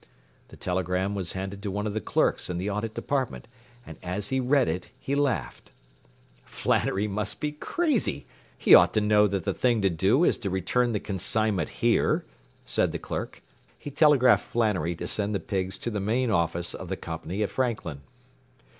” The telegram was handed to one of the clerks in the Audit Department, and as he read it he laughed. “Flannery must be crazy. He ought to know that the thing to do is to return the consignment here,” said the clerk. He telegraphed Flannery to send the pigs to the main office of the company at Franklin.